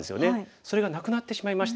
それがなくなってしまいました。